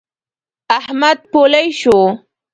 احمد پولۍ شو.